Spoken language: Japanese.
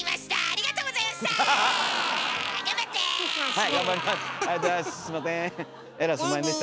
ありがとうございます。